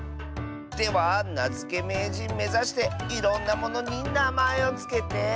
ではなづけめいじんめざしていろんなものになまえをつけて。